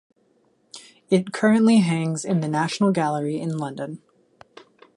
It currently hangs in the National Gallery in London.